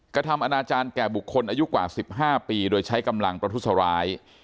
กระทำอนาจารย์แก่บุคคลอายุกว่า๑๕ปีโดยใช้กำลังประทุษร้าย